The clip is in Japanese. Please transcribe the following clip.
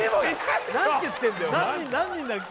何て言ってんだよ